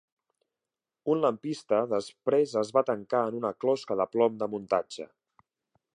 Un lampista després es va tancar en una closca de plom de muntatge.